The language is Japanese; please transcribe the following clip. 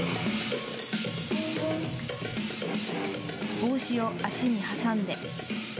帽子を足に挟んで。